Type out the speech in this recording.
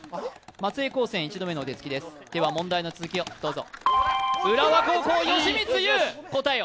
松江高専、１度目のお手つきです問題の続きをどうぞ。